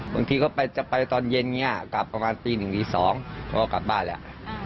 บางทีเค้าจะไปตอนเย็นเนี่ยกลับประมาณปี๑๒เค้ากลับบ้านเนี่ย